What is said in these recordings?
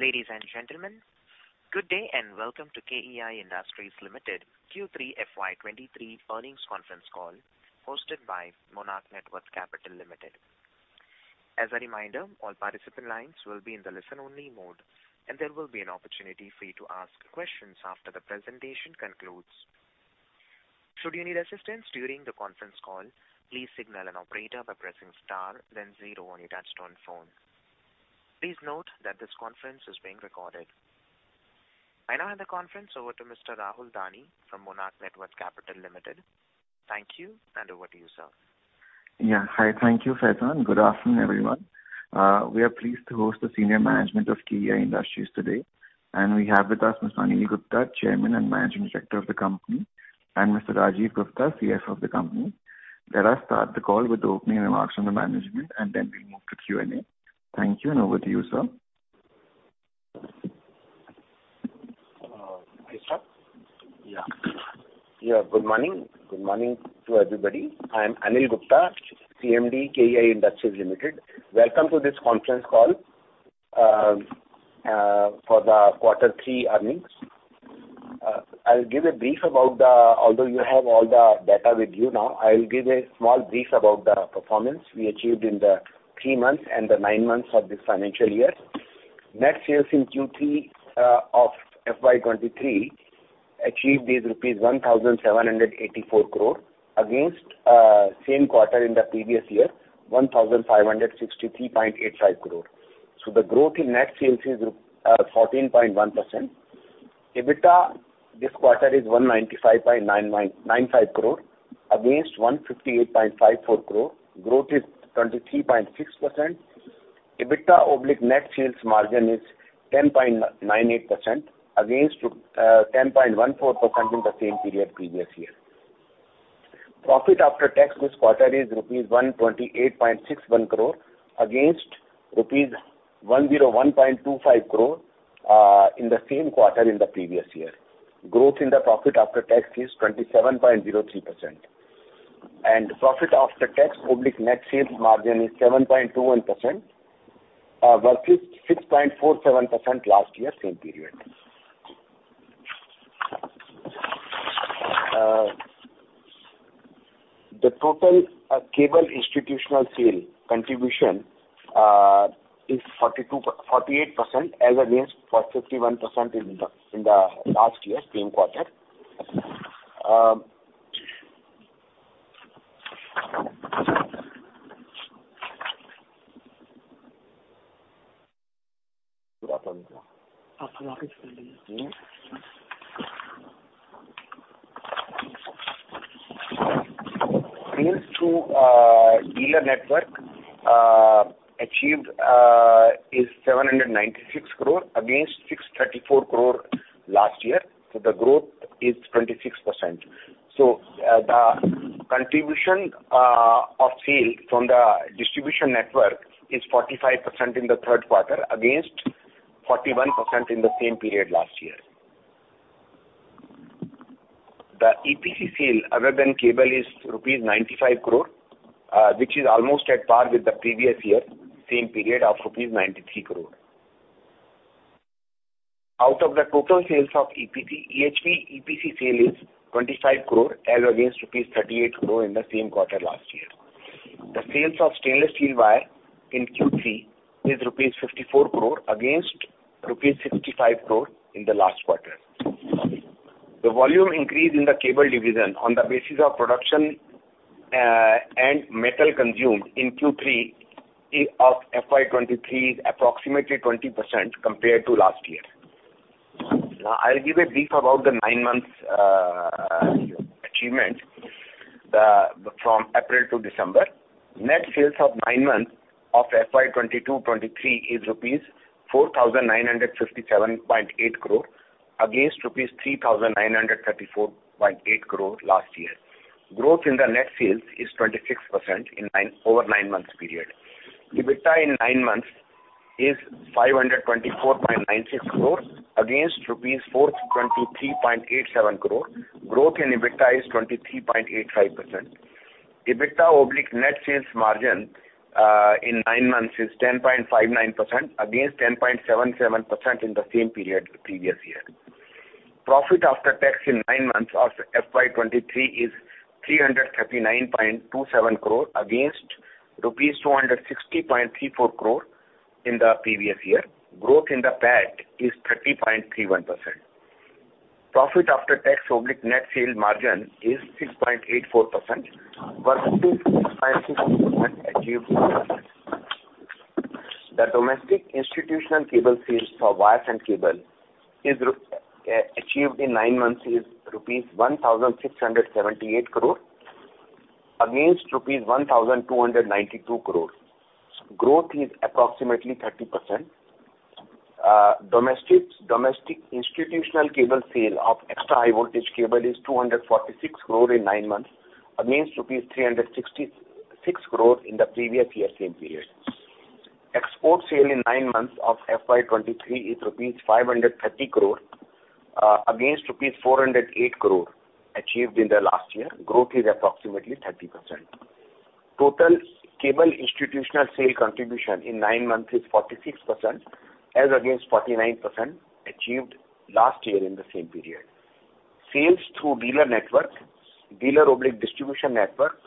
Ladies and gentlemen, good day and welcome to KEI Industries Limited Q3 FY23 earnings conference call hosted by Monarch Networth Capital Limited. As a reminder, all participant lines will be in the listen only mode, and there will be an opportunity for you to ask questions after the presentation concludes. Should you need assistance during the conference call, please signal an operator by pressing star then zero on your touchtone phone. Please note that this conference is being recorded. I now hand the conference over to Mr. Rahul Dani from Monarch Networth Capital Limited. Thank you, and over to you, sir. Yeah. Hi. Thank you, Faizan. Good afternoon, everyone. We are pleased to host the senior management of KEI Industries today, and we have with us Mr. Anil Gupta, Chairman and Managing Director of the company, and Mr. Rajeev Gupta, CFO of the company. Let us start the call with opening remarks from the management, and then we'll move to Q&A. Thank you, and over to you, sir. May I start? Yeah. Good morning. Good morning to everybody. I'm Anil Gupta, CMD, KEI Industries Limited. Welcome to this conference call for the quarter three earnings. I'll give a brief. Although you have all the data with you now, I'll give a small brief about the performance we achieved in the three months and the nine months of this financial year. Net sales in Q3 of FY23 achieved is rupees 1,784 crore against same quarter in the previous year, 1,563.85 crore. The growth in net sales is 14.1%. EBITDA this quarter is 195.9995 crore against 158.54 crore. Growth is 23.6%. EBITDA/net sales margin is 10.98% against 10.14% in the same period previous year. Profit after tax this quarter is rupees 128.61 crore against rupees 101.25 crore in the same quarter in the previous year. Growth in the profit after tax is 27.03%. Profit after tax/net sales margin is 7.21% versus 6.47% last year same period. The total cable institutional sale contribution is 48% as against 41% in the last year same quarter. Good afternoon, sir. Afternoon. Mm-hmm. Sales through dealer network achieved is 796 crore against 634 crore last year. The growth is 26%. The contribution of sale from the distribution network is 45% in the Q3 against 41% in the same period last year. The EPT sale other than cable is rupees 95 crore, which is almost at par with the previous year same period of rupees 93 crore. Out of the total sales of EPT, EHV-EPC sale is 25 crore as against rupees 38 crore in the same quarter last year. The sales of stainless steel wire in Q3 is rupees 54 crore against rupees 65 crore in the last quarter. The volume increase in the cable division on the basis of production, and metal consumed in Q3 of FY23 is approximately 20% compared to last year. I'll give a brief about the nine months achievement from April to December. Net sales of nine months of FY2022-2023 are rupees 4,957.8 crore against rupees 3,934.8 crore last year. Growth in the net sales is 26% over nine months period. EBITDA in nine months is 524.96 crore against rupees 423.87 crore. Growth in EBITDA is 23.85%. EBITDA/net sales margin in nine months is 10.59% against 10.77% in the same period the previous year. Profit after tax in nine months of FY23 is 339.27 crore against rupees 260.34 crore in the previous year. Growth in the PAT is 30.31%. Profit after tax/net sales margin is 6.84% versus 6.62% achieved last year. The domestic institutional cable sales for wires and cable achieved in nine months is rupees 1,678 crore against rupees 1,292 crore. Growth is approximately 30%. Domestics, domestic institutional cable sale of extra high voltage cable is 246 crore in nine months against rupees 366 crore in the previous year same period. Export sale in nine months of FY23 is rupees 530 crore against rupees 408 crore achieved in the last year. Growth is approximately 30%. Total cable institutional sale contribution in nine months is 46%, as against 49% achieved last year in the same period. Sales through dealer network, dealer/distribution network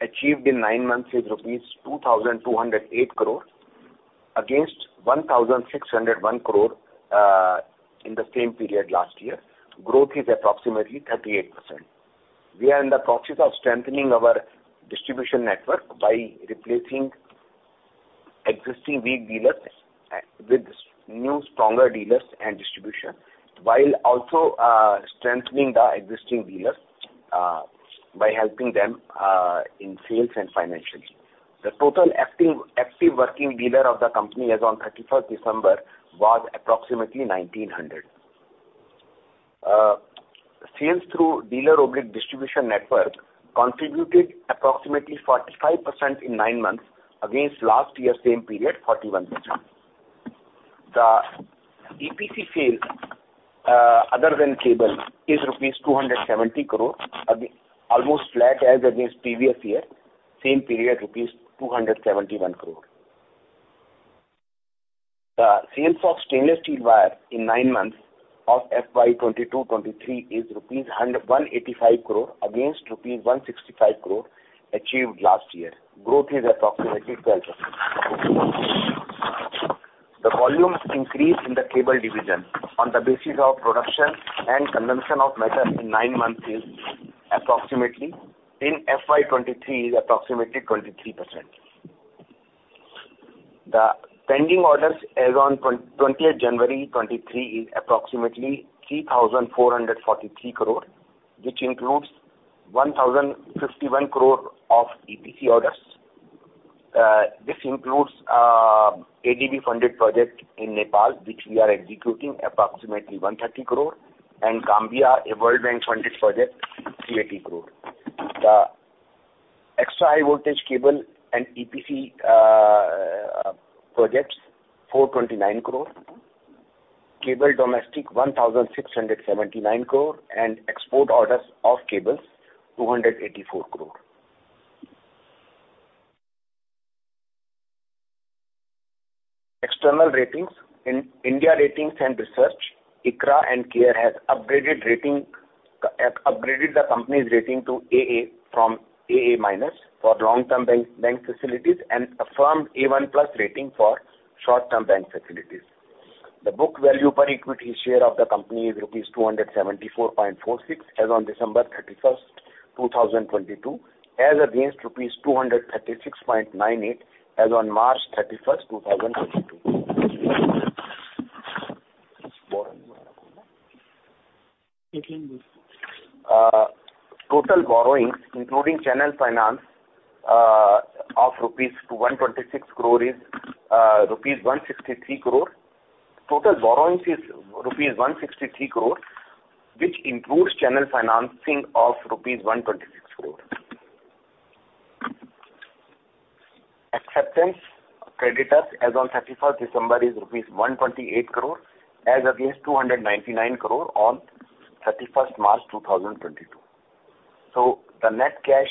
achieved in nine months is rupees 2,208 crore, against 1,601 crore in the same period last year. Growth is approximately 38%. We are in the process of strengthening our distribution network by replacing existing weak dealers with new, stronger dealers and distribution, while also strengthening the existing dealers by helping them in sales and financially. The total active working dealer of the company as on 31st December was approximately 1,900. Sales through dealer/distribution network contributed approximately 45% in nine months, against last year same period, 41%. The EPC sales, other than cable is rupees 270 crore, almost flat as against previous year, same period, rupees 271 crore. The sales of stainless steel wire in nine months of FY 2022, 2023 is rupees 185 crore against rupees 165 crore achieved last year. Growth is approximately 12%. The volumes increase in the cable division on the basis of production and consumption of metal in nine months, in FY23 is approximately 23%. The pending orders as on 20th January 2023 is approximately 3,443 crore, which includes 1,051 crore of EPC orders. This includes ADB funded project in Nepal, which we are executing approximately 130 crore, and Gambia, a World Bank funded project, 80 crore. The extra high voltage cable and EPC projects, 429 crore. Cable domestic, 1,679 crore, and export orders of cables, 284 crore. External ratings in India Ratings and Research, ICRA and CARE has upgraded the company's rating to AA from AA- for long-term bank facilities and affirmed A1+ rating for short-term bank facilities. The book value per equity share of the company is rupees 274.46 as on December 31st, 2022, as against rupees 236.98 as on March 31st, 2022. Total borrowings including channel finance of 126 crore rupees is rupees 163 crore. Total borrowings is rupees 163 crore, which includes channel financing of rupees 126 crore. Acceptance creditors as on December 31st is rupees 128 crore as against 299 crore on March 31st, 2022. The net cash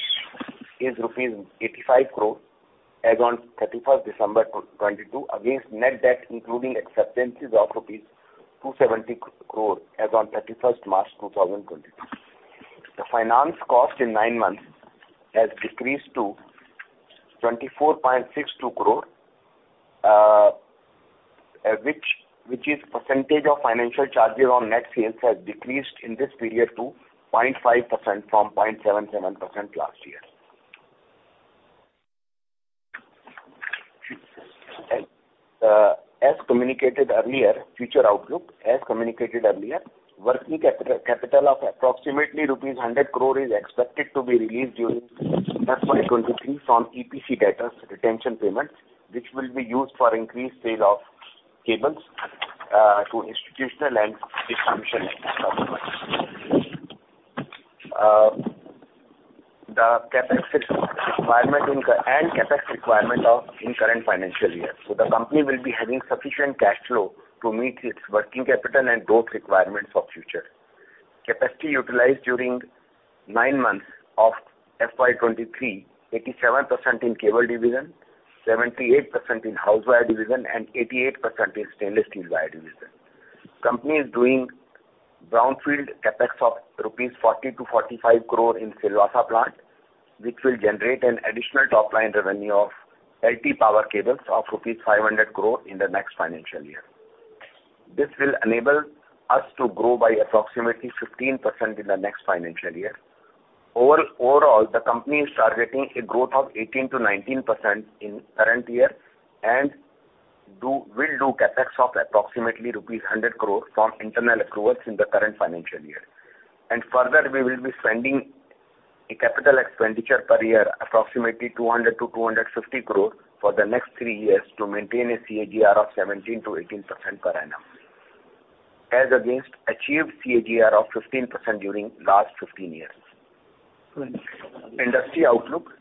is rupees 85 crore as on December 31st, 2022, against net debt, including acceptances of rupees 270 crore as on March 31st, 2022. The finance cost in nine months has decreased to 24.62 crore, which is percentage of financial charges on net sales has decreased in this period to 0.5% from 0.77% last year. As communicated earlier, future outlook, as communicated earlier, working capital of approximately rupees 100 crore is expected to be released during FY23 from EPC debtors retention payments, which will be used for increased sale of cables to institutional and dysfunctional government. The CapEx requirement of in current financial year. The company will be having sufficient cash flow to meet its working capital and both requirements of future. Capacity utilized during nine months of FY23, 87% in cable division, 78% in house wire division, and 88% in stainless steel wire division. Company is doing brownfield CapEx of rupees 40-45 crore in Silvassa plant, which will generate an additional top line revenue of LT power cables of rupees 500 crore in the next financial year. This will enable us to grow by approximately 15% in the next financial year. Overall, the company is targeting a growth of 18%-19% in current year will do CapEx of approximately 100 crore from internal accruals in the current financial year. Further, we will be spending a capital expenditure per year, approximately 200-250 crore for the next three years to maintain a CAGR of 17%-18% per annum, as against achieved CAGR of 15% during last 15 years. Industry outlook.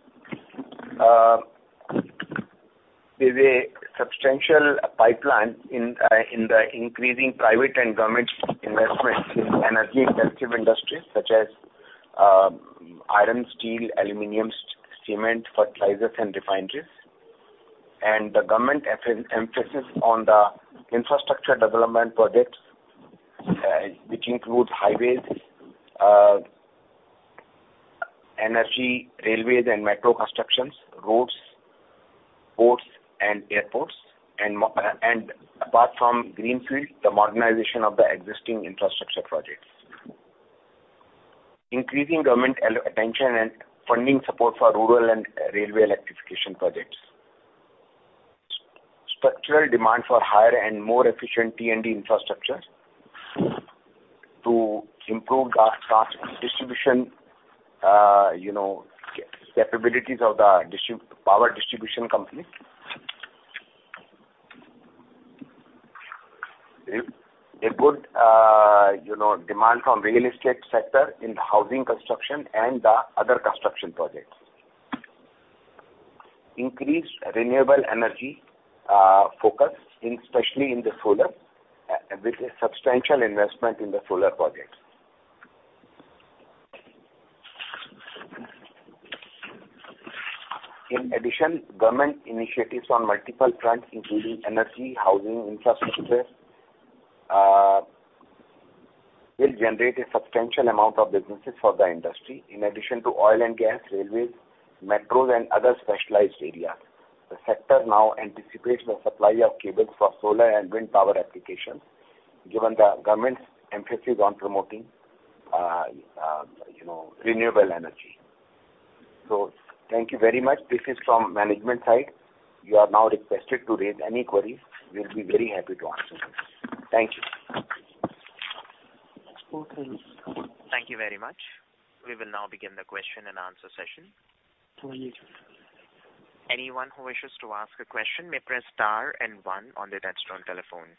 Substantial pipeline in the increasing private and government investment in energy-intensive industries such as iron, steel, aluminum, cement, fertilizers and refineries. The government emphasis on the infrastructure development projects, which include highways, energy, railways and metro constructions, roads, ports and airports. Apart from greenfield, the modernization of the existing infrastructure projects. Increasing government attention and funding support for rural and railway electrification projects. Structural demand for higher and more efficient T&D infrastructure to improve the trans-distribution, you know, capabilities of the power distribution company. A good, you know, demand from real estate sector in the housing construction and the other construction projects. Increased renewable energy focus in, especially in the solar, with a substantial investment in the solar projects. In addition, government initiatives on multiple fronts, including energy, housing, infrastructure, will generate a substantial amount of businesses for the industry, in addition to oil and gas, railways, metros and other specialized areas. The sector now anticipates the supply of cables for solar and wind power applications, given the government's emphasis on promoting, you know, renewable energy. Thank you very much. This is from management side. You are now requested to raise any queries. We'll be very happy to answer them. Thank you. Thank you very much. We will now begin the question-and-answer session. Anyone who wishes to ask a question may press star one on their touchtone telephone.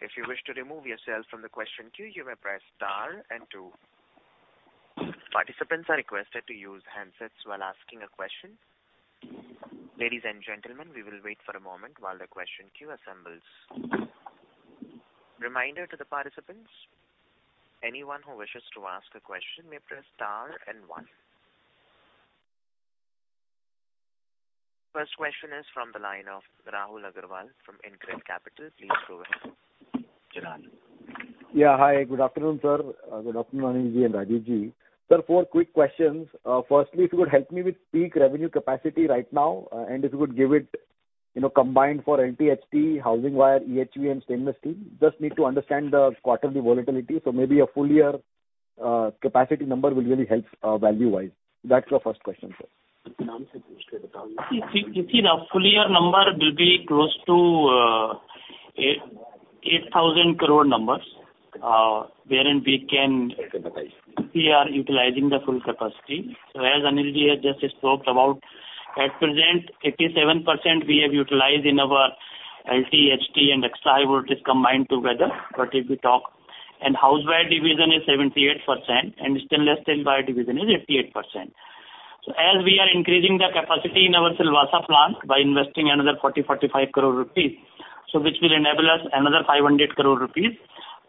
If you wish to remove yourself from the question queue, you may press star two. Participants are requested to use handsets while asking a question. Ladies and gentlemen, we will wait for a moment while the question queue assembles. Reminder to the participants, anyone who wishes to ask a question may press star one. First question is from the line of Rahul Agrawal from InCred Capital. Please go ahead. Yeah. Hi. Good afternoon, sir. Good afternoon, Anilji and Rajivji. Sir, four quick questions. Firstly, if you could help me with peak revenue capacity right now, if you could give it, you know, combined for LTHT, housing wire, EHV and stainless steel. Just need to understand the quarterly volatility, so maybe a full year, capacity number will really help, value-wise. That's the first question, sir. You see the full year number will be close to 8,000 crore numbers, wherein we are utilizing the full capacity. As Anilji has just talked about, at present 87% we have utilized in our LT, HT and Extra High Voltage combined together. If we talk, and house wire division is 78% and stainless steel wire division is 88%. As we are increasing the capacity in our Silvassa plant by investing another 40-45 crore rupees, which will enable us another 500 crore rupees,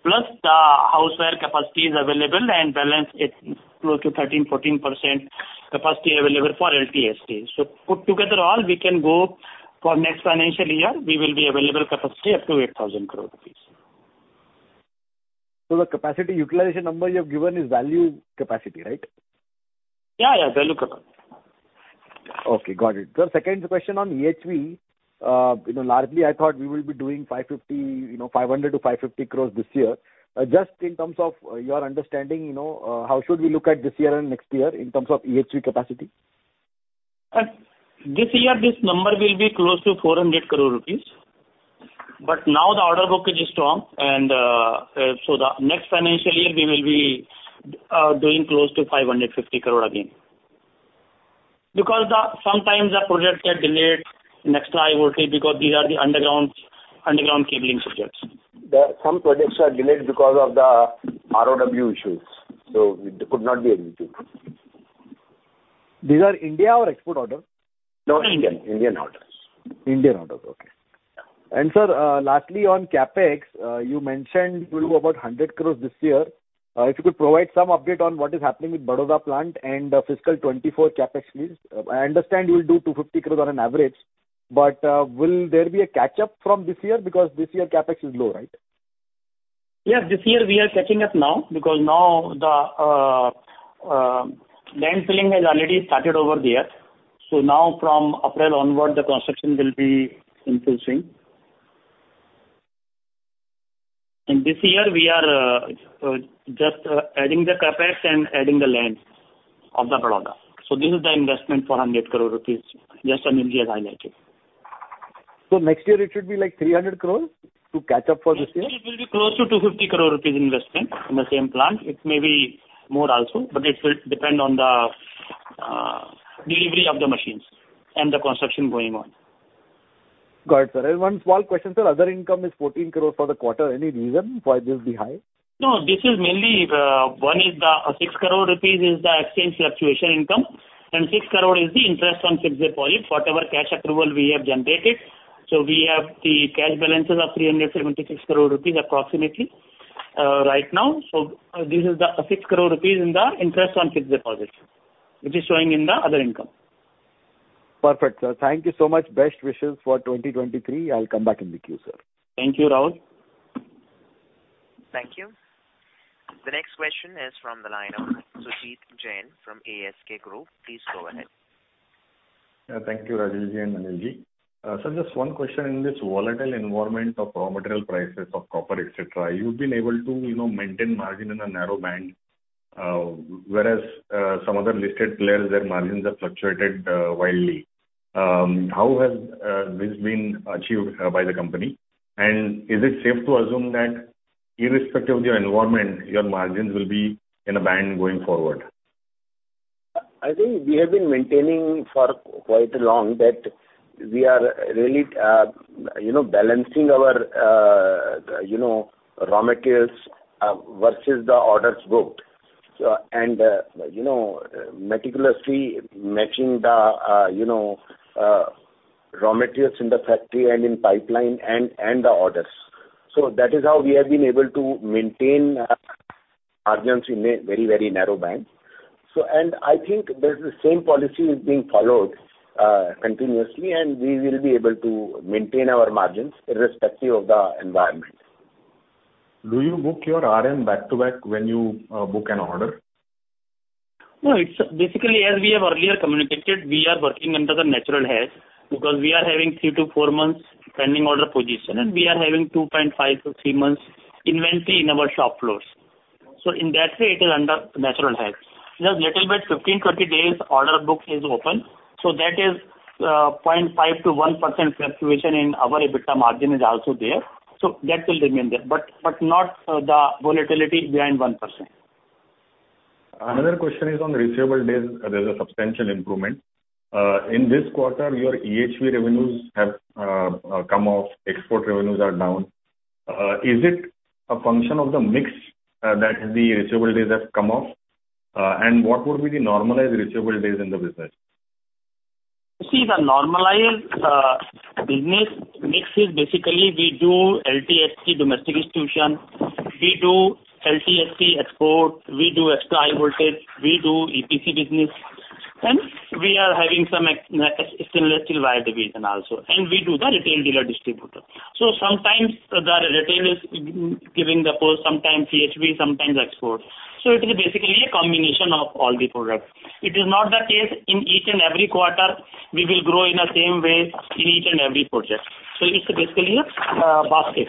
plus the house wire capacity is available and balance is close to 13%-14% capacity available for LT, HT. Put together all we can go for next financial year, we will be available capacity up to 8,000 crore rupees. The capacity utilization number you have given is value capacity, right? Yeah, yeah. Value capacity. Okay, got it. Sir, second question on EHV. you know, largely I thought we will be doing 550, you know, 500-550 crores this year. Just in terms of your understanding, you know, how should we look at this year and next year in terms of EHV capacity? This year this number will be close to 400 crore rupees. Now the order book is strong and, so the next financial year we will be doing close to 550 crore again. Because sometimes the projects are delayed in extra high voltage because these are the underground cabling projects. Some projects are delayed because of the ROW issues, so it could not be executed. These are India or export orders? No, Indian. Indian orders. Indian orders. Okay. Sir, lastly on CapEx, you mentioned you do about 100 crores this year. If you could provide some update on what is happening with Baroda plant and fiscal 2024 CapEx needs. I understand you'll do 250 crores on an average, but will there be a catch-up from this year? Because this year CapEx is low, right? Yes, this year we are catching up now because now the land filling has already started over there. Now from April onward the construction will be in full swing. This year we are adding the CapEx and adding the land of the Baroda. This is the investment for 100 crore rupees, just Anilji has highlighted. Next year it should be like 300 crores to catch up for this year? Next year it will be close to 250 crore rupees investment in the same plant. It may be more also, but it will depend on the delivery of the machines and the construction going on. Got it, sir. One small question, sir. Other income is 14 crores for the quarter. Any reason why this is high? No, this is mainly, one is the 6 crore rupees is the exchange fluctuation income. 6 crore is the interest on fixed deposit, whatever cash approval we have generated. We have the cash balances of 376 crore rupees approximately, right now. This is the 6 crore rupees in the interest on fixed deposit, which is showing in the other income. Perfect, sir. Thank you so much. Best wishes for 2023. I'll come back in the queue, sir. Thank you, Rahul. Thank you. The next question is from the line of Sudeep Jain from ASK Group. Please go ahead. Yeah, thank you, Rajeev Gupta and Anil Gupta. Sir, just one question. In this volatile environment of raw material prices, of copper, et cetera, you've been able to, you know, maintain margin in a narrow band, whereas some other listed players, their margins have fluctuated wildly. How has this been achieved by the company? Is it safe to assume that irrespective of your environment, your margins will be in a band going forward? I think we have been maintaining for quite long that we are really, you know, balancing our, you know, raw materials versus the orders booked. You know, meticulously matching the, you know, raw materials in the factory and in pipeline and the orders. That is how we have been able to maintain margins in a very, very narrow band. I think the same policy is being followed continuously, and we will be able to maintain our margins irrespective of the environment. Do you book your RM back to back when you book an order? It's basically, as we have earlier communicated, we are working under the natural hedge because we are having three to four months pending order position, and we are having 2.5-3 months inventory in our shop floors. In that way, it is under natural hedge. Just little bit, 15-20 days order book is open, that is 0.5%-1% fluctuation in our EBITDA margin is also there. That will remain there, but not the volatility beyond 1%. Another question is on receivable days. There's a substantial improvement. In this quarter, your EHV revenues have come off, export revenues are down. Is it a function of the mix that the receivable days have come off? What would be the normalized receivable days in the business? You see, the normalized business mix is basically we do LTSC domestic institution, we do LTSC export, we do extra high voltage, we do EPC business, and we are having some stainless steel wire division also, and we do the retail dealer distributor. Sometimes the retail is giving the force, sometimes EHV, sometimes export. It is basically a combination of all the products. It is not the case in each and every quarter we will grow in the same way in each and every project. It's basically a basket.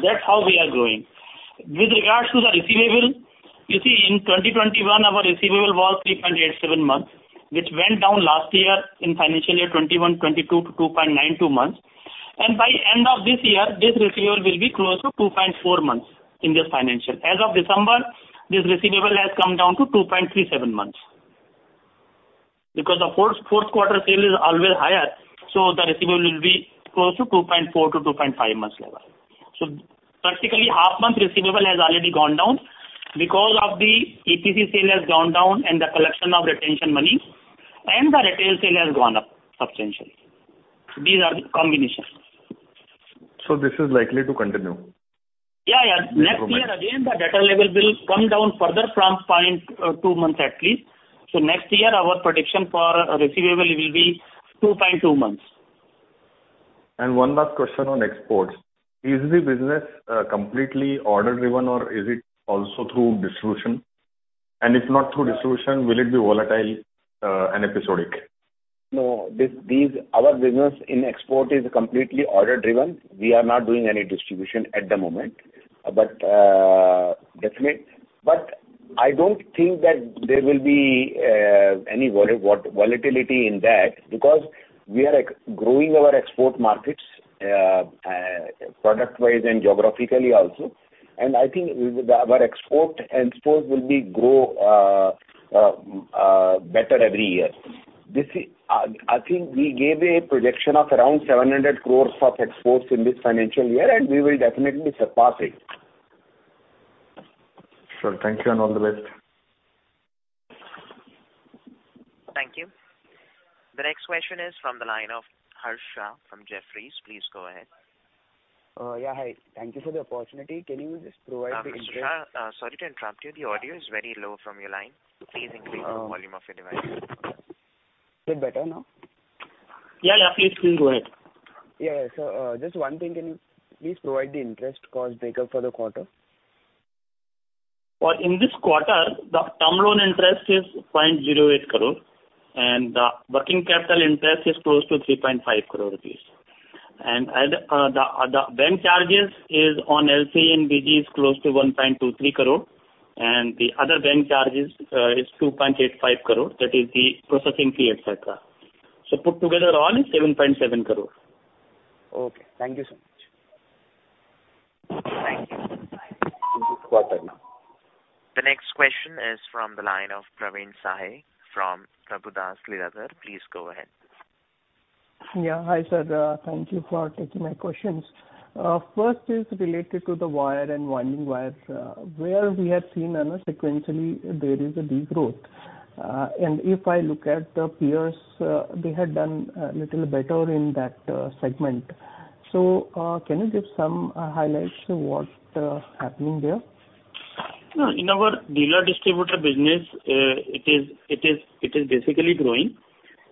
That's how we are growing. With regards to the receivable, you see in 2021, our receivable was 3.87 months, which went down last year in financial year 2021-2022 to 2.92 months. By end of this year, this receivable will be close to 2.4 months in this financial. As of December, this receivable has come down to 2.37 months. The fourth quarter sale is always higher, so the receivable will be close to 2.4-2.5 months level. Practically half month receivable has already gone down because of the EPC sale has gone down and the collection of retention money and the retail sale has gone up substantially. These are the combinations. This is likely to continue? Yeah, yeah. Next year again, the data level will come down further from point, two months at least. Next year, our prediction for receivable will be 2.2 months. One last question on exports. Is the business completely order driven or is it also through distribution? If not through distribution, will it be volatile and episodic? No. Our business in export is completely order driven. We are not doing any distribution at the moment. definitely. I don't think that there will be any volatility in that because we are growing our export markets product-wise and geographically also. I think our export and imports will be grow better every year. This is. I think we gave a projection of around 700 crores of exports in this financial year, and we will definitely surpass it. Sure. Thank you and all the best. Thank you. The next question is from the line of Harsh Shah from Jefferies. Please go ahead. Yeah, hi, Thank you for the opportunity. Can you just provide the. Harsh Shah, sorry to interrupt you. The audio is very low from your line. Please increase the volume of your device. Is it better now? Yeah, please go ahead. Yeah, yeah. Just one thing. Can you please provide the interest cost breakup for the quarter? For in this quarter, the term loan interest is 0.08 crore. The working capital interest is close to 3.5 crore rupees. The bank charges is on LC and BG is close to 1.23 crore. The other bank charges is 2.85 crore, that is the processing fee, et cetera. Put together all is 7.7 crore. Okay. Thank you so much. Thank you. Thank you. The next question is from the line of Praveen Sahay from Prabhudas Lilladher. Please go ahead. Yeah. Hi, sir. Thank you for taking my questions. First is related to the wire and winding wire, where we have seen sequentially there is a degrowth. If I look at the peers, they had done a little better in that segment. Can you give some highlights what happening there? No, in our dealer distributor business, it is basically growing.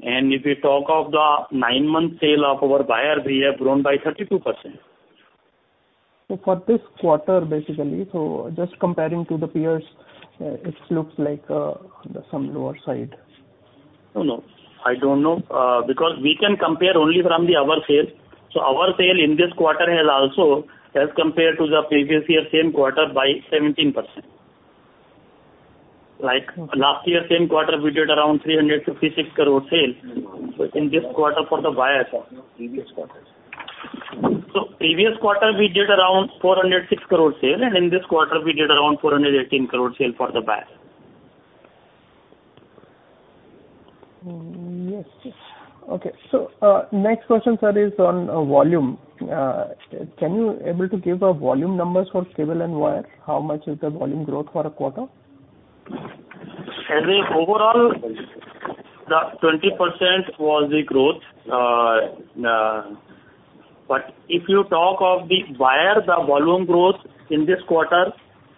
If you talk of the nine-month sale of our buyer, we have grown by 32%. For this quarter, basically. Just comparing to the peers, it looks like on some lower side. No, no. I don't know, because we can compare only from the our sales. Our sale in this quarter has also as compared to the previous year, same quarter by 17%. Like last year, same quarter, we did around 356 crore sale. In this quarter for the buyers. Previous quarter. Previous quarter we did around 406 crore sale, and in this quarter we did around 418 crore sale for the buyers. Yes. Okay. Next question, sir, is on volume. Can you able to give the volume numbers for cable and wire? How much is the volume growth for a quarter? Harmeet, overall the 20% was the growth. If you talk of the wire, the volume growth in this quarter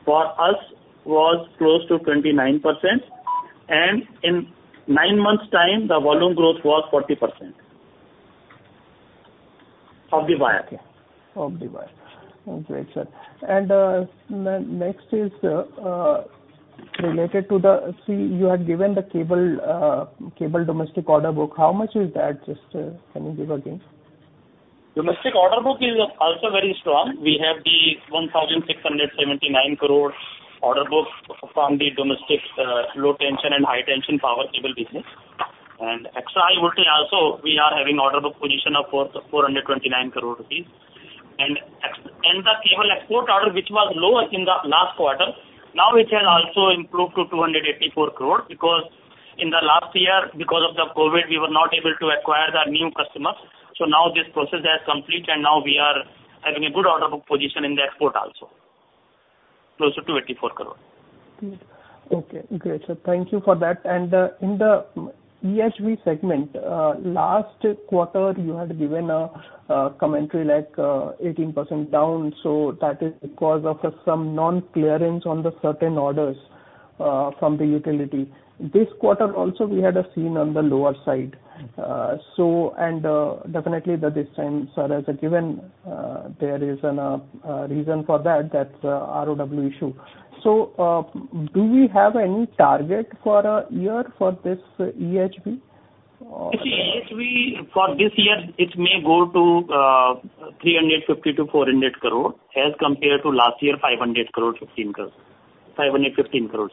for us was close to 29%. In nine months time, the volume growth was 40%. Of the wire. Of the wire. Okay, sir. Next is related to the. See, you had given the cable domestic order book. How much is that? Just, can you give again? Domestic order book is also very strong. We have the 1,679 crore order book from the domestic, low tension and high tension power cable business. Extra high voltage also, we are having order book position of 429 crore rupees. The cable export order, which was low in the last quarter, now it has also improved to 284 crore because in the last year, because of the COVID, we were not able to acquire the new customers. Now this process has complete, and now we are having a good order book position in the export also. Close to 284 crore. Okay, great, sir. Thank you for that. In the EHV segment, last quarter you had given a commentary like 18% down, so that is because of some non-clearance on the certain orders from the utility. This quarter also we had seen on the lower side. Definitely the distance, sir, as a given, there is a reason for that's ROW issue. Do we have any target for a year for this EHV? You see, EHV for this year it may go to 350 crore-400 crore as compared to last year, 515 crore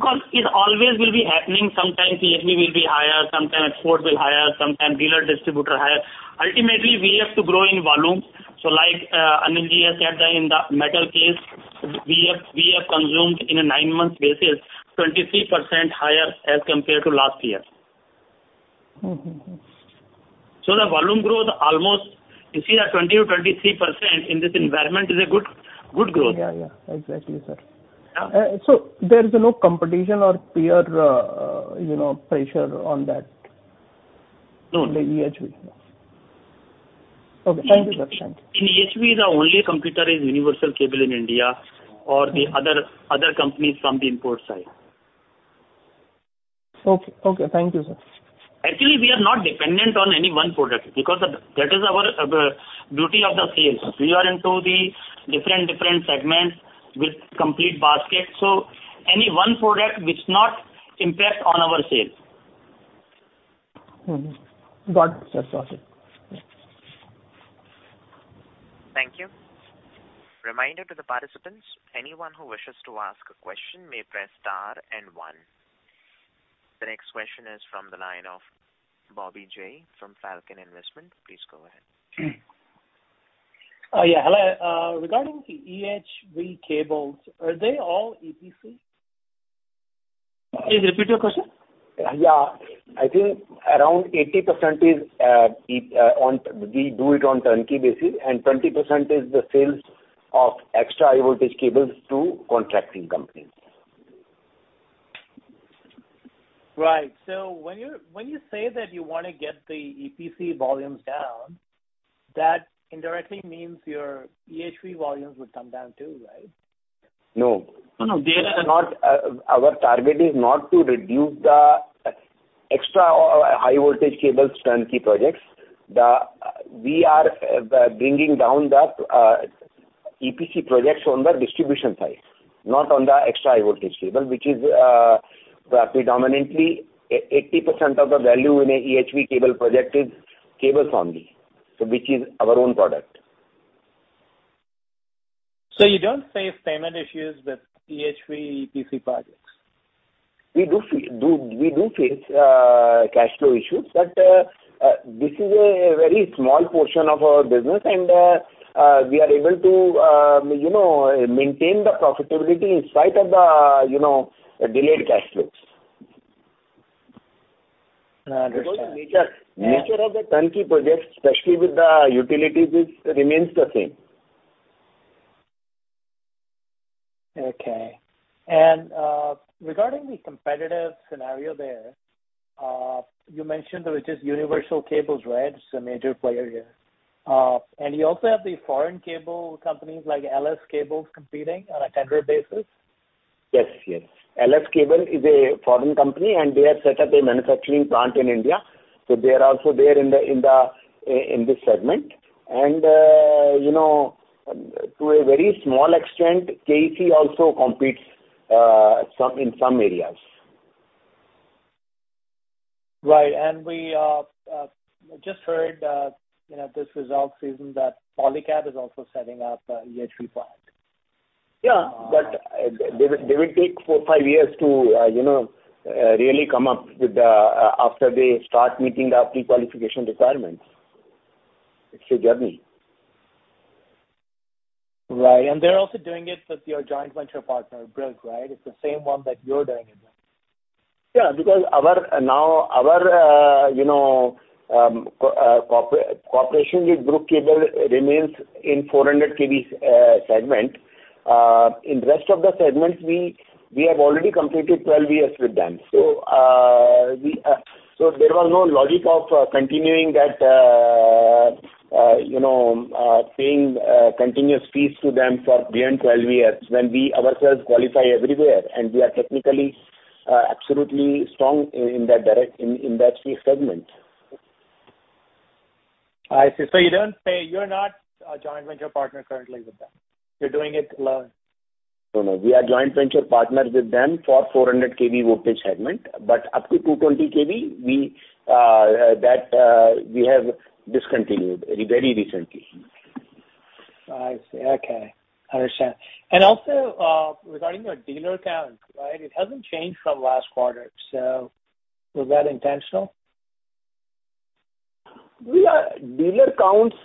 sales. It always will be happening, sometimes EHV will be higher, sometimes port will higher, sometimes dealer distributor higher. Ultimately, we have to grow in volume. Like Anindya said that in the metal case we have, we have consumed in a nine-month basis 23% higher as compared to last year. Mm-hmm. The volume growth almost you see a 20%-23% in this environment is a good growth. Yeah. Yeah. Exactly, sir. Yeah. There is no competition or peer, you know, pressure on that. No. the EHV. Okay. Thank you, sir. Thank you. In EHV, the only competitor is Universal Cable in India or the other companies from the import side. Okay. Okay. Thank you, sir. Actually, we are not dependent on any one product because that is our beauty of the sales. We are into the different segments with complete basket, any one product which not impact on our sales. Mm-hmm. Got it. That's all, sir. Yeah. Thank you. Reminder to the participants, anyone who wishes to ask a question may press star and one. The next question is from the line of Bobby J. from Falcon Investment. Please go ahead. Yeah. Hello. Regarding the EHV cables, are they all EPC? Please repeat your question. Yeah. I think around 80% is we do it on turnkey basis and 20% is the sales of extra high voltage cables to contracting companies. Right. When you say that you wanna get the EPC volumes down, that indirectly means your EHV volumes would come down too, right? No. No, no. They. It's not our target is not to reduce the extra high voltage cables turnkey projects. We are bringing down the EPC projects on the distribution side, not on the extra high voltage cable, which is predominantly 80% of the value in a EHV cable project is cables only. Which is our own product. You don't face payment issues with EHV EPC projects? We do face cash flow issues, but this is a Very small portion of our business and, we are able to, you know, maintain the profitability in spite of the, you know, delayed cash flows. I understand. Nature of the turnkey projects, especially with the utilities, it remains the same. Okay. Regarding the competitive scenario there, you mentioned there was just Universal Cables, right? It's a major player here. You also have the foreign cable companies like LS Cables competing on a tender basis. Yes, yes. LS Cable is a foreign company, and they have set up a manufacturing plant in India. They are also there in this segment. You know, to a very small extent, KEC also competes some in some areas. Right. We just heard, you know, this result season that Polycab is also setting up a EHV plant. Yeah. They will take four, five years to, you know, really come up with the after they start meeting the prequalification requirements. It's a journey. Right. They're also doing it with your joint venture partner, Brugg Kabel AG, right? It's the same one that you're doing it with. Yeah. Our, now our, you know, cooperation with Brugg Kabel remains in 400 kV segment. In rest of the segments, we have already completed 12 years with them. There was no logic of continuing that, you know, paying continuous fees to them for beyond 12 years when we ourselves qualify everywhere and we are technically absolutely strong in that direct, in that three segment. I see. You're not a joint venture partner currently with them. You're doing it alone. No, no. We are joint venture partners with them for 400 kV voltage segment, but up to 220 kV, we have discontinued very recently. I see. Okay. Understand. Also, regarding your dealer count, right? It hasn't changed from last quarter. Was that intentional? Dealer counts,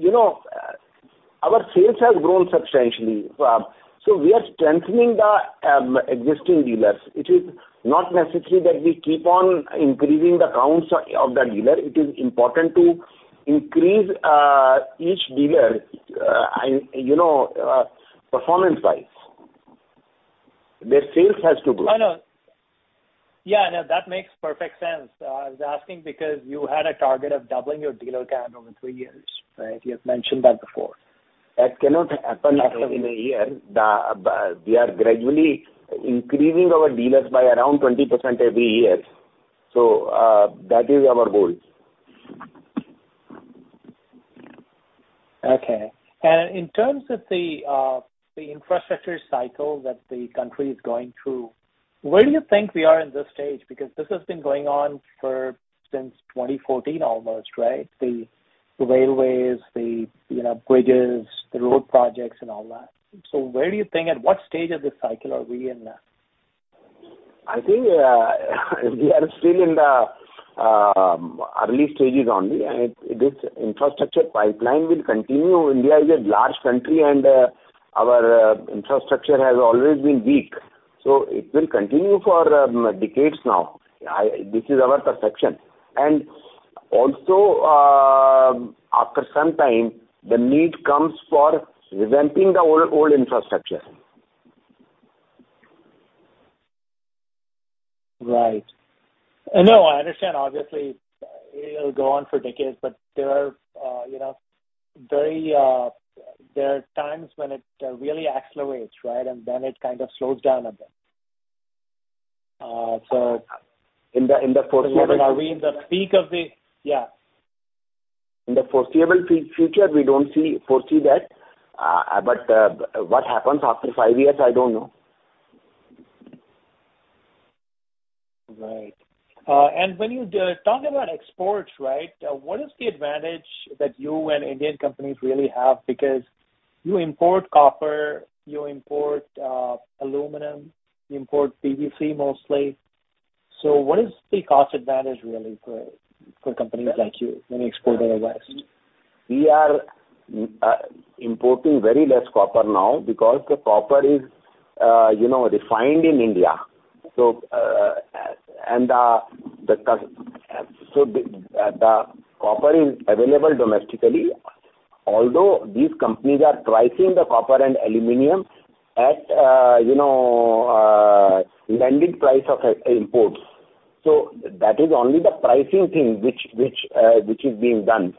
you know, our sales has grown substantially. So we are strengthening the existing dealers. It is not necessary that we keep on increasing the counts of the dealer. It is important to increase each dealer, and, you know, performance wise. Their sales has to grow. I know. Yeah, I know. That makes perfect sense. I was asking because you had a target of doubling your dealer count over three years, right? You had mentioned that before. That cannot happen like in a year. We are gradually increasing our dealers by around 20% every year. That is our goal. Okay. In terms of the infrastructure cycle that the country is going through, where do you think we are in this stage? Because this has been going on for since 2014 almost, right? The railways, the, you know, bridges, the road projects and all that. Where do you think, at what stage of this cycle are we in now? I think, we are still in the early stages only. It is infrastructure pipeline will continue. India is a large country and our infrastructure has always been weak, so it will continue for decades now. I, this is our perception. Also, after some time, the need comes for revamping the old infrastructure. Right. No, I understand. Obviously, it'll go on for decades, but there are, you know, very, there are times when it really accelerates, right? Then it kind of slows down a bit. In the, in the foreseeable- Are we in the peak of the... Yeah. In the foreseeable future, we don't foresee that. What happens after five years, I don't know. Right. When you talk about exports, right, what is the advantage that you and Indian companies really have? Because you import copper, you import aluminum, you import PVC mostly. What is the cost advantage really for companies like you when you export to the West? We are importing very less copper now because the copper is, you know, refined in India. The copper is available domestically. Although these companies are pricing the copper and aluminum at, you know, landing price of imports. That is only the pricing thing which is being done.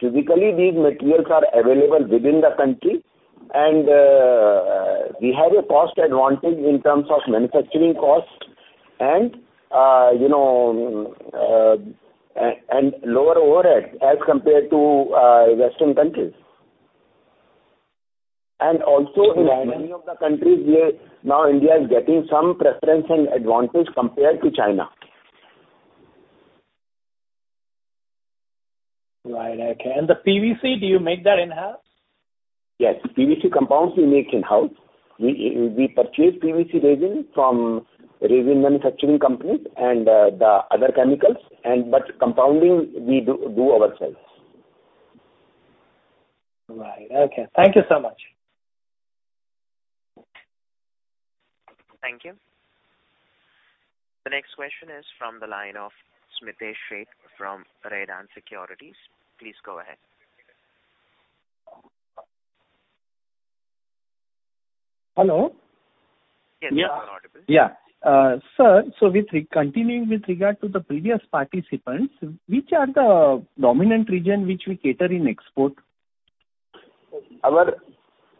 Physically, these materials are available within the country and we have a cost advantage in terms of manufacturing costs and, you know, and lower overhead as compared to Western countries. Also in many of the countries, we are, now India is getting some preference and advantage compared to China. Right. Okay. The PVC, do you make that in-house? Yes. PVC compounds we make in-house. We purchase PVC resin from resin manufacturing companies and, the other chemicals and but compounding we do ourselves. Right. Okay. Thank you so much. Thank you. The next question is from the line of Smitesh Sheth from Redan Securities. Please go ahead. Hello. Yes. You are audible. Yeah. Yeah. sir, with continuing with regard to the previous participants, which are the dominant region which we cater in export?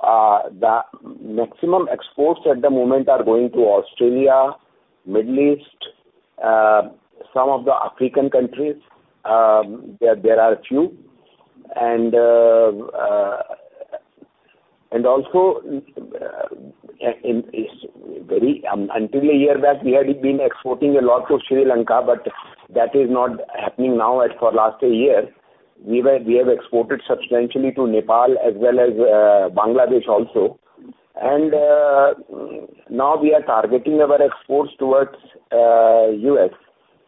The maximum exports at the moment are going to Australia, Middle East, some of the African countries, there are a few. Also, is very, until one year back, we had been exporting a lot to Sri Lanka, but that is not happening now as for last one year. We have exported substantially to Nepal as well as Bangladesh also. Now we are targeting our exports towards US,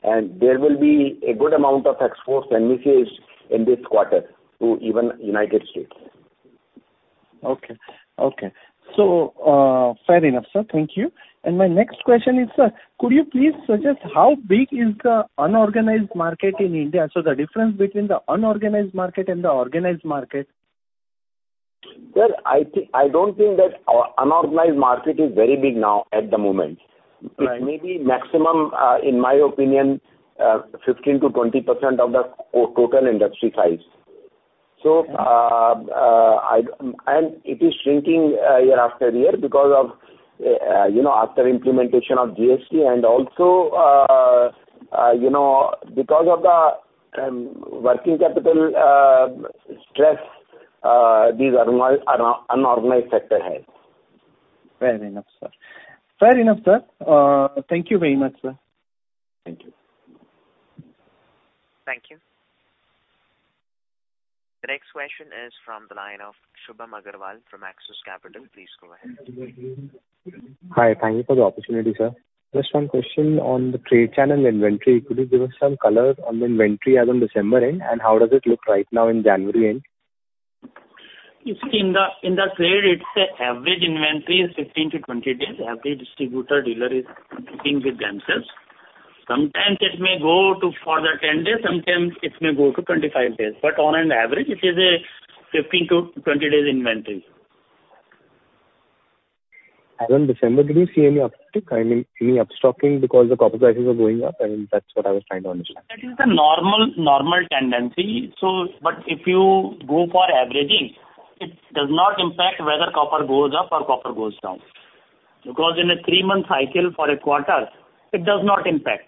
and there will be a good number of exports envisaged in this quarter to even United States. Okay. Okay. Fair enough, sir. Thank you. My next question is, sir, could you please suggest how big is the unorganized market in India? The difference between the unorganized market and the organized market. Well, I don't think that our unorganized market is very big now at the moment. Right. It may be maximum, in my opinion, 15%-20% of the total industry size. Okay. I don't... It is shrinking year after year because of, you know, after implementation of GST and also, you know, because of the working capital stress these unorganized sector has. Fair enough, sir. Fair enough, sir. Thank you very much, sir. Thank you. Thank you. The next question is from the line of Shubham Agarwal from Axis Capital. Please go ahead. Hi. Thank you for the opportunity, sir. Just one question on the trade channel inventory. Could you give us some color on the inventory as on December end, and how does it look right now in January end? You see in the trade, it's a average inventory is 15-20 days. Every distributor dealer is competing with themselves. Sometimes it may go to further 10 days, sometimes it may go to 25 days. On an average, it is a 15-20 days inventory. On December, did you see any uptick? I mean, any upstocking because the copper prices were going up? I mean, that's what I was trying to understand. That is the normal tendency. If you go for averaging, it does not impact whether copper goes up or copper goes down. In a three-month cycle for a quarter, it does not impact.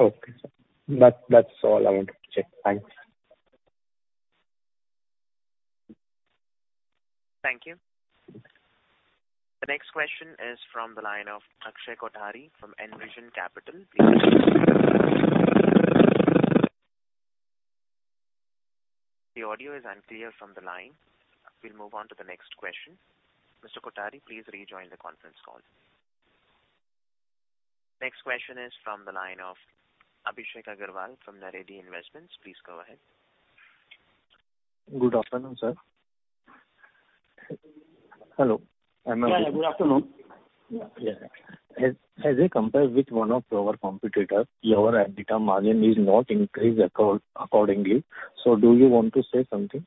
Okay, sir. That's all I wanted to check. Thanks. Thank you. The next question is from the line of Akshay Kothari from Envision Capital. The audio is unclear from the line. We'll move on to the next question. Mr. Kothari, please rejoin the conference call. Next question is from the line of Abhishek Agarwal from Naredi Investments. Please go ahead. Good afternoon, sir. Hello. I'm Abhishek. Yeah. Good afternoon. Yeah. As I compare with one of your competitor, your EBITDA margin is not increased accordingly. Do you want to say something?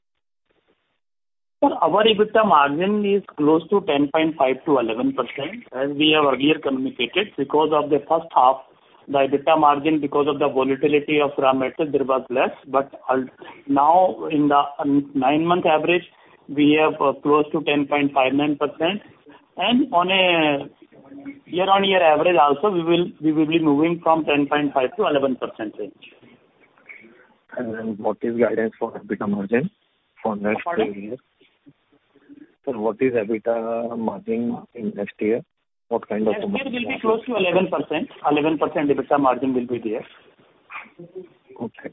Sir, our EBITDA margin is close to 10.5%-11%, as we have earlier communicated. Because of the first half, the EBITDA margin because of the volatility of raw material, there was less. Now in the nine-month average, we have close to 10.59%. On a year-on-year average also we will be moving from 10.5%-11% range. What is guidance for EBITDA margin for next year? Pardon? Sir, what is EBITDA margin in next year? What kind of. EBITDA will be close to 11%. 11% EBITDA margin will be there. Okay.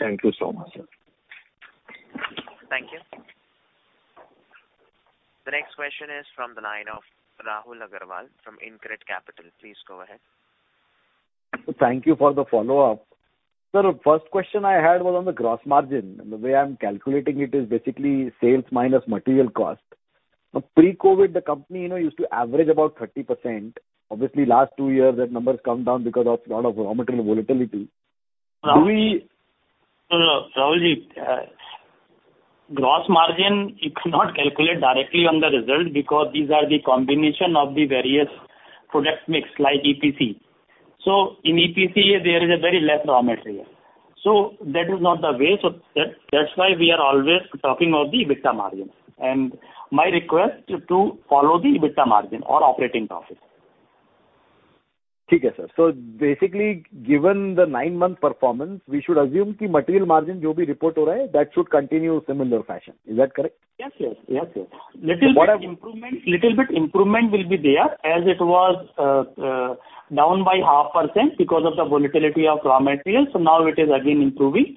Thank you so much, sir. Thank you. The next question is from the line of Rahul Agarwal from InCred Capital. Please go ahead. Thank you for the follow-up. Sir, first question I had was on the gross margin. The way I'm calculating it is basically sales minus material cost. Pre-COVID, the company, you know, used to average about 30%. Obviously, last two years that number has come down because of lot of raw material volatility. Sir, Rahulji, gross margin you cannot calculate directly on the result because these are the combination of the various product mix like EPC. In EPC there is a very less raw material. That is not the way. That's why we are always talking of the EBITDA margin. My request to follow the EBITDA margin or operating profit. Okay, sir. Basically, given the nine-month performance, we should assume material margin, yes. Little bit improvement will be there as it was down by half percent because of the volatility of raw materials. Now it is again improving.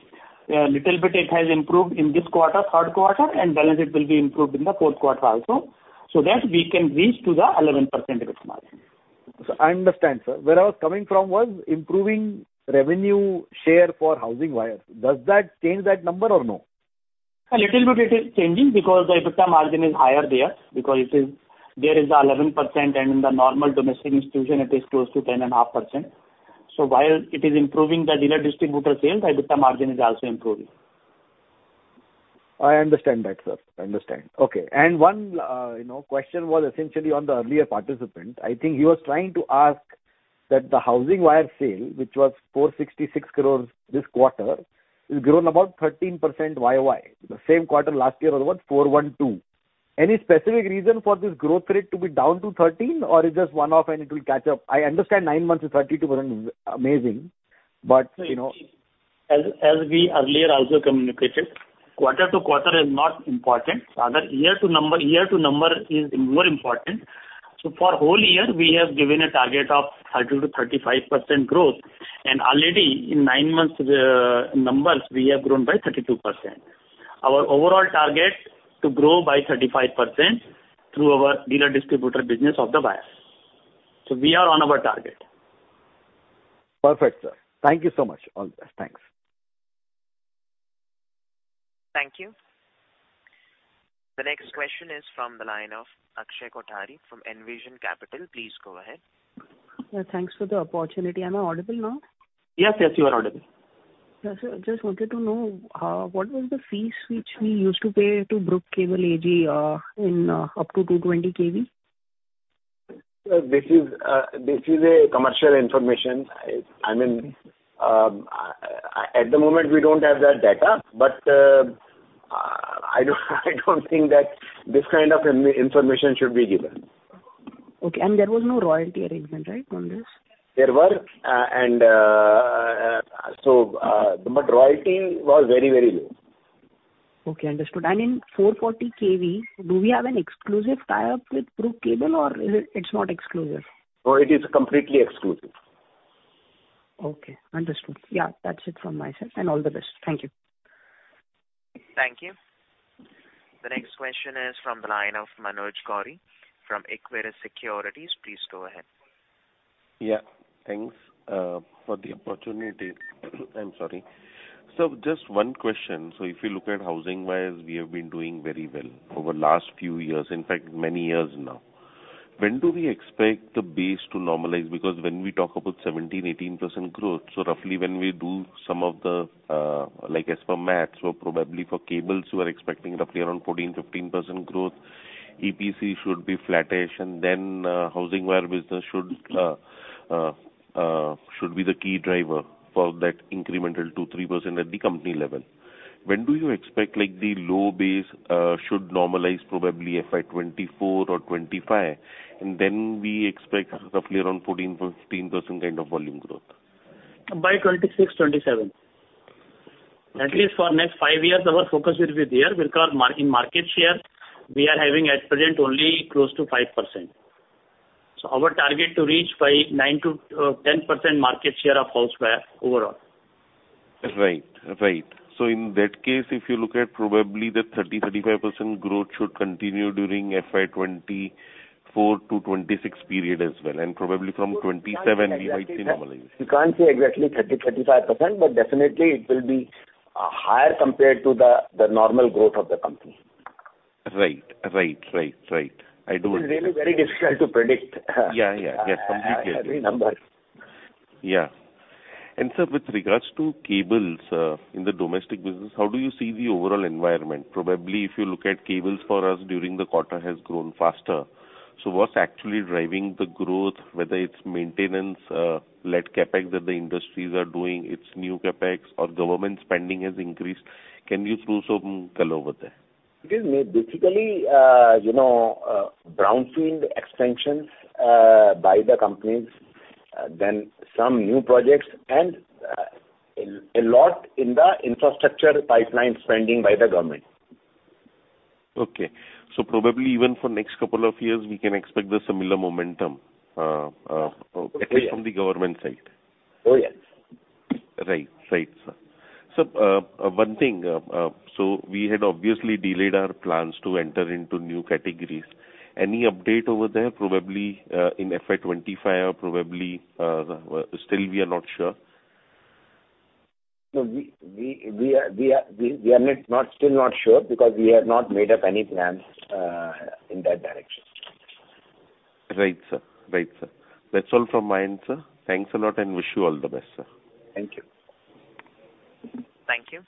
Yeah, little bit it has improved in this quarter, Q3, and balance it will be improved in the fourth quarter also, so that we can reach to the 11% EBITDA margin. I understand, sir. Where I was coming from was improving revenue share for housing wire. Does that change that number or no? A little bit it is changing because the EBITDA margin is higher there because it is, there is 11% and in the normal domestic institution it is close to 10.5%. While it is improving the dealer distributor sales, EBITDA margin is also improving. I understand that, sir. I understand. Okay. One, you know, question was essentially on the earlier participant. I think he was trying to ask that the housing wire sale, which was 466 crores this quarter, has grown about 13% YOY. The same quarter last year was 412. Any specific reason for this growth rate to be down to 13% or it's just one-off and it will catch up? I understand nine months is 32% is amazing, but, you know. As we earlier also communicated, quarter to quarter is not important. Rather year to number is more important. For whole year we have given a target of 30%-35% growth. Already in nine months, numbers we have grown by 32%. Our overall target to grow by 35% through our dealer distributor business of the wires. We are on our target. Perfect, sir. Thank you so much. All the best. Thanks. Thank you. The next question is from the line of Akshay Kothari from Envision Capital. Please go ahead. Thanks for the opportunity. Am I audible now? Yes. Yes, you are audible. Yeah, just wanted to know, what was the fees which we used to pay to Brugg Kabel AG, in, up to 220 kV? Sir, this is a commercial information. I mean, at the moment we don't have that data, but I don't think that this kind of information should be given. Okay. There was no royalty arrangement, right, on this? There were, but royalty was very, very low. Okay, understood. In 440 kV, do we have an exclusive tie-up with Brugg Kabel or it's not exclusive? No, it is completely exclusive. Okay, understood. Yeah, that's it from myself. All the best. Thank you. Thank you. The next question is from the line of Manoj Gori from Equirus Securities. Please go ahead. Thanks for the opportunity. I'm sorry. Just one question. If you look at housing wires, we have been doing very well over last few years, in fact many years now. When do we expect the base to normalize? Because when we talk about 17%-18% growth, roughly when we do some of the like as for mats or probably for cables, we're expecting roughly around 14%-15% growth. EPC should be flattish and then housing wire business should be the key driver for that incremental 2%-3% at the company level. When do you expect like the low base should normalize probably FY24 or FY25, and then we expect roughly around 14%-15% kind of volume growth? By 2026, 2027. At least for next five years our focus will be there because in market share we are having at present only close to 5%. Our target to reach by 9%-10% market share of house wire overall. Right. Right. In that case if you look at probably the 30%-35% growth should continue during FY24-26 period as well, and probably from 2027 we might see normalization. We can't say exactly 30%-35%, but definitely it will be higher compared to the normal growth of the company. Right. Right. Right. Right. It's really very difficult to predict. Yeah, yeah, completely agree. Every number. Yeah. Sir, with regards to cables, in the domestic business, how do you see the overall environment? Probably if you look at cables for us during the quarter has grown faster. What's actually driving the growth, whether it's maintenance led CapEx that the industries are doing, it's new CapEx or government spending has increased. Can you throw some color over there? It is basically, you know, brownfield extensions by the companies, then some new projects and a lot in the infrastructure pipeline spending by the government. Okay. probably even for next two years we can expect the similar momentum, at least from the government side. Oh, yes. Right. Right, sir. Sir, one thing. We had obviously delayed our plans to enter into new categories. Any update over there, probably, in FY25 or probably, still we are not sure? No, we are not still not sure because we have not made up any plans in that direction. Right, sir. Right, sir. That's all from my end, sir. Thanks a lot and wish you all the best, sir. Thank you. Thank you.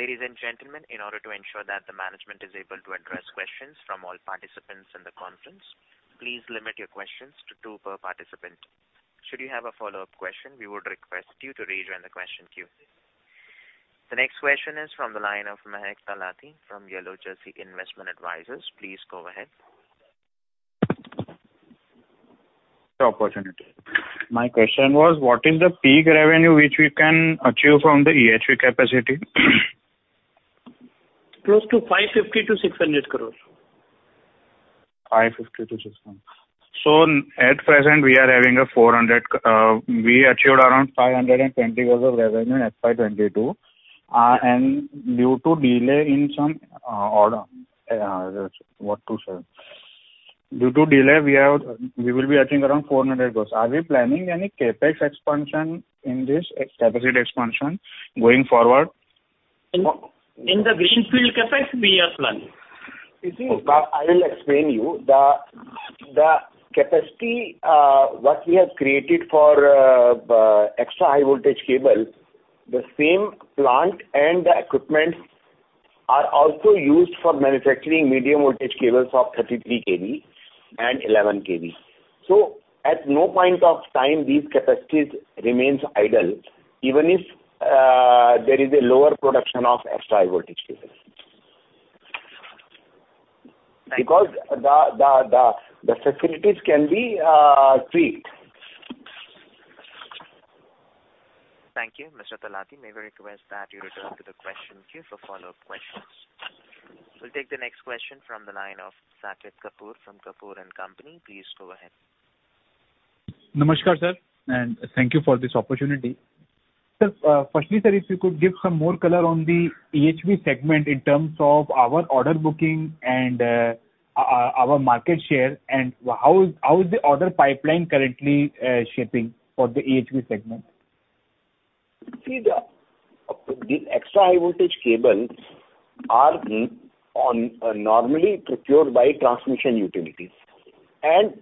Ladies and gentlemen, in order to ensure that the management is able to address questions from all participants in the conference, please limit your questions to two per participant. Should you have a follow-up question, we would request you to rejoin the question queue. The next question is from the line of Mahek Talati from Yellow Jersey Investment Advisors. Please go ahead.. My question was what is the peak revenue which we can achieve from the EHV capacity? Close to 550 crores-600 crores. 550-600. At present, we are having a 400, we achieved around 520 crores of revenue FY22. Due to delay in some order, what to say? Due to delay, we will be achieving around 400 crores. Are we planning any CapEx expansion in this capacity expansion going forward? In the greenfield CapEx, we have planned. You see, I will explain you. The capacity what we have created for Extra-High Voltage cable, the same plant and the equipment are also used for manufacturing medium voltage cables of 33 kV and 11 kV. At no point of time these capacities remains idle, even if there is a lower production of Extra-High Voltage cables. Thank you. Because the facilities can be tweaked. Thank you, Mr. Talati. May we request that you return to the question queue for follow-up questions. We'll take the next question from the line of Satish Kapoor from Kapoor and Company. Please go ahead. Namaskar, sir, and thank you for this opportunity. Sir, firstly, sir, if you could give some more color on the EHV segment in terms of our order booking and our market share, and how is the order pipeline currently shaping for the EHV segment? See the extra high voltage cables are normally procured by transmission utilities.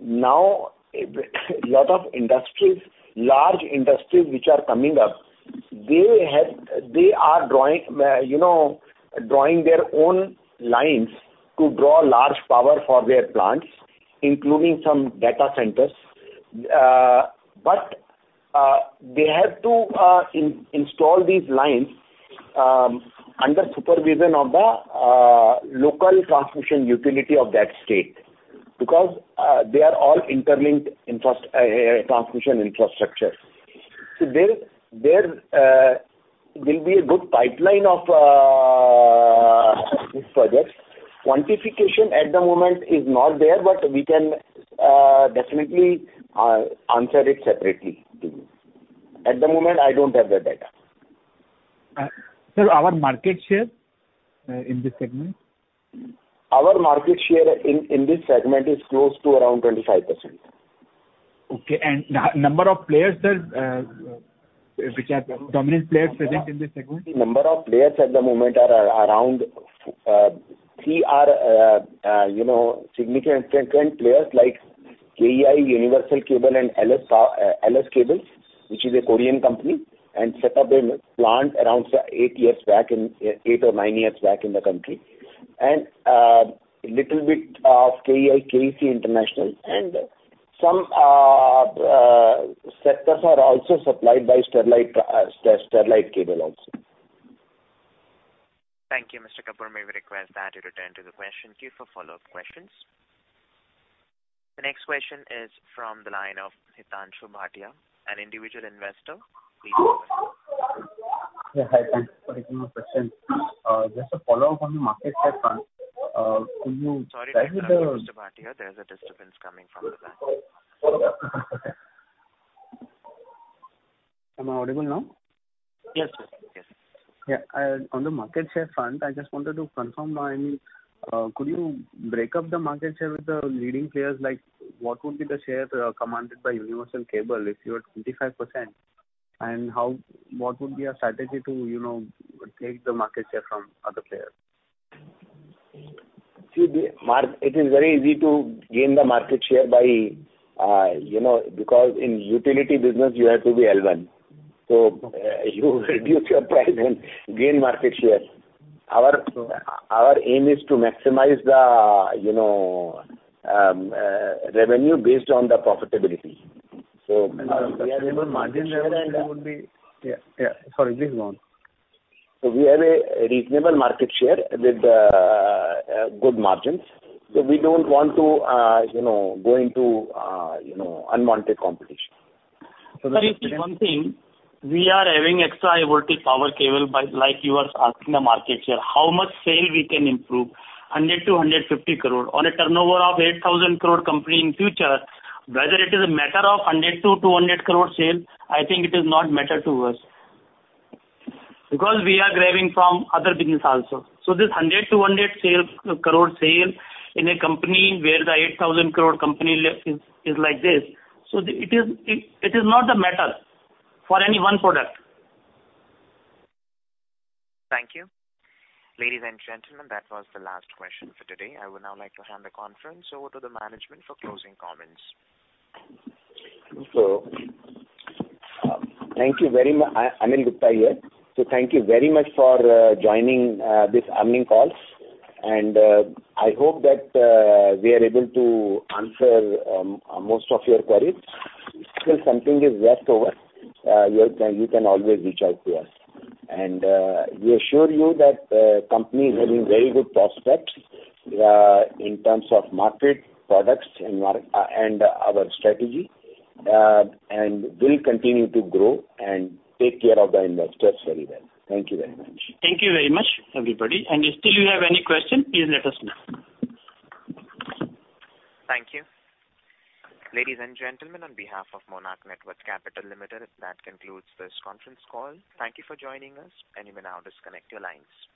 Now a lot of industries, large industries which are coming up, they are drawing, you know, drawing their own lines to draw large power for their plants, including some data centers. They have to install these lines under supervision of the local transmission utility of that state because they are all interlinked transmission infrastructure. There will be a good pipeline of these projects. Quantification at the moment is not there, but we can definitely answer it separately to you. At the moment, I don't have that data. sir, our market share, in this segment? Our market share in this segment is close to around 25%. Okay. number of players, sir, which are dominant players present in this segment? The number of players at the moment are around, three are, you know, significant players like KEI, Universal Cable, and LS Cables, which is a Korean company and set up a plant around eight years back in, eight or nine years back in the country. Little bit of KEI, KEC International and some, sectors are also supplied by Sterlite Cable also. Thank you, Mr. Kapoor. May we request that you return to the question queue for follow-up questions. The next question is from the line of Hitanshu Bhatia, an individual investor. Please go ahead. Hi. Thank you for taking my question. Just a follow-up on the market share front. Sorry to interrupt you, Mr. Bhatia. There's a disturbance coming from the line. Am I audible now? Yes, sir. Yes. Yeah. On the market share front, I just wanted to confirm, I mean, could you break up the market share with the leading players? Like, what would be the share, commanded by Universal Cable if you are 25%? What would be your strategy to, you know, take the market share from other players? It is very easy to gain the market share by, you know, because in utility business you have to be relevant. You reduce your price and gain market share. Our aim is to maximize the, you know, revenue based on the profitability. We have a reasonable market share. The reasonable margin definitely would be... Yeah. Yeah. Sorry. Please go on. We have a reasonable market share with good margins. We don't want to, you know, go into, you know, unwanted competition. Sir, just one thing. We are having Extra-High Voltage power cable, but like you are asking the market share, how much sale we can improve? 100 crore-150 crore on a turnover of 8,000 crore company in future, whether it is a matter of 100 crore-200 crore sale, I think it is not matter to us. We are driving from other business also. This 100 crore-100 crore sale, crore sale in a company where the 8,000 crore company is like this. It is not the matter for any one product. Thank you. Ladies and gentlemen, that was the last question for today. I would now like to hand the conference over to the management for closing comments. Anil Gupta here. Thank you very much for joining this earning call. I hope that we are able to answer most of your queries. If still something is left over, you can always reach out to us. We assure you that company is having very good prospects in terms of market, products, and our strategy. We'll continue to grow and take care of the investors very well. Thank you very much. Thank you very much, everybody. If still you have any question, please let us know. Thank you. Ladies and gentlemen, on behalf of Monarch Networth Capital Limited, that concludes this conference call. Thank you for joining us, and you may now disconnect your lines.